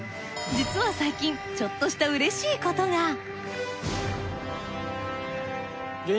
実は最近ちょっとした嬉しいことが。